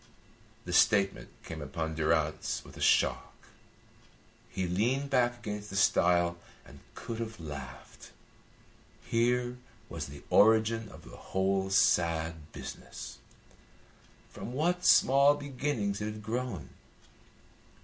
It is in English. The statement came upon Durrance with a shock. He leaned back against the stile and could have laughed. Here was the origin of the whole sad business. From what small beginnings it had grown!